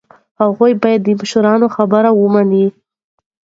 هغوی باید د مشرانو خبره ومني.